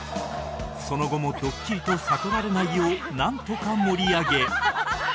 その後もドッキリと悟られないようなんとか盛り上げ